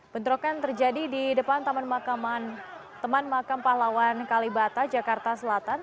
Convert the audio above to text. bentrokan terjadi di depan teman makam pahlawan kalibata jakarta selatan